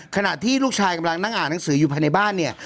ขณะที่ลูกชายกำลังนั่งอ่านหนังสืออยู่ภายในบ้านเนี่ย